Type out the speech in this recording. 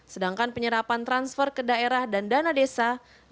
sedangkan penyerapan transfer ke daerah dan dana desa